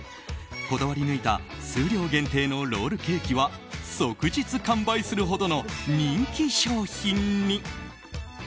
こだわり抜いた数量限定のロールケーキは即日完売するほどの人気商品に。